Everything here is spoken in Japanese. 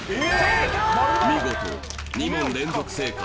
見事２問連続正解